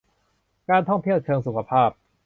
การท่องเที่ยวเชิงสุขภาพ